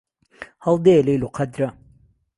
ههڵدێ لهیل و قهدره